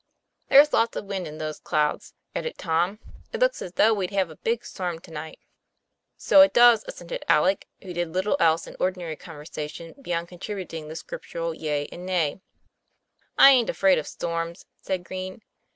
There's lots of wind in those clouds," added Tom. It looks as though we'd have a big storm to night." " So it does," assented Alec, who did little else in ordinary conversation beyond contributing the scriptural yea and nay. " I aint afraid of storms," said Green.